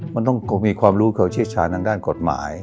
มันต้องมีความรู้เขาเชี่ยวชาญทางด้านกฎหมาย